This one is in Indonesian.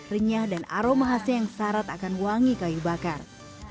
renyah dan aroma khasnya yang syarat akan wangi kayu bakar